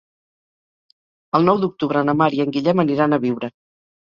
El nou d'octubre na Mar i en Guillem aniran a Biure.